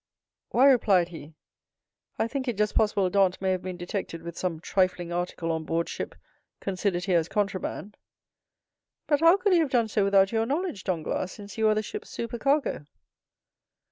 "Why," replied he, "I think it just possible Dantès may have been detected with some trifling article on board ship considered here as contraband." "But how could he have done so without your knowledge, Danglars, since you are the ship's supercargo?"